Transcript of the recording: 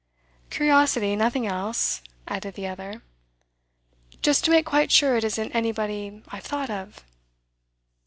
'Curiosity, nothing else,' added the other. 'Just to make quite sure it isn't anybody I've thought of.